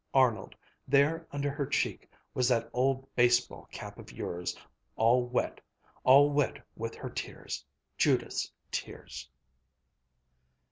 Arnold, there under her cheek was that old baseball cap of yours ... all wet, all wet with her tears, Judith's tears."